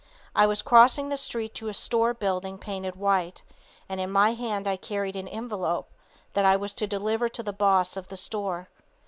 I was crossing the street to a store building painted white, and in my hand I carried an envelope that I was to deliver to the boss of the store.